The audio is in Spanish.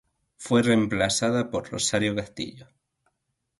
Fue reemplazada por Rosario Castillo.